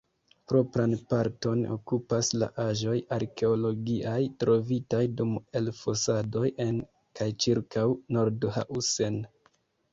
Propran parton okupas la aĵoj arkeologiaj, trovitaj dum elfosadoj en kaj ĉirkaŭ Nordhausen.